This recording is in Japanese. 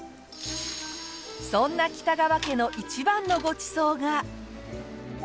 そんな北川家の一番のごちそうが。